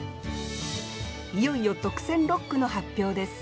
いよいよ特選六句の発表です。